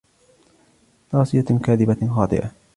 ناصية كاذبة خاطئة